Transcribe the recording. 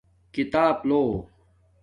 کھیتاپ لو